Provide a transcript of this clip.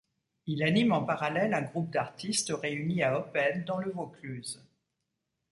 Il anime en parallèle un groupe d'artistes réunis à Oppède dans le Vaucluse.